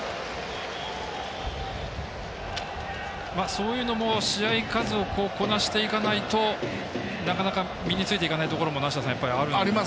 そういうのも試合数をこなしていかないとなかなか身についていかないところもあるでしょうしね。